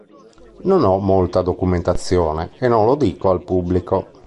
Non ho molta documentazione e non lo dico al pubblico.